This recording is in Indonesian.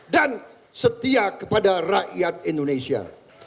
dan setia kepada rakyat indonesia